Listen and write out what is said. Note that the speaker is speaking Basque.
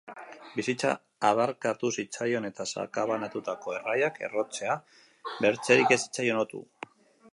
Bizitza adarkatu zitzaion, eta sakabanatutako erraiak errotzea bertzerik ez zitzaion otu.